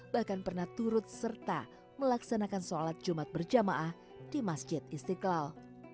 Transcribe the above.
bahkan pernah turut serta melaksanakan sholat jumat berjamaah di masjid istiqlal